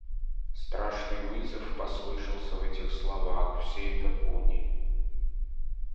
Страшный вызов послышался в этих словах, все это поняли.